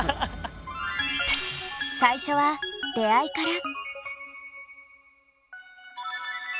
最初は出会いから。